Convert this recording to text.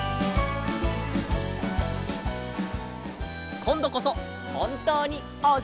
こんどこそほんとうにおっしまい！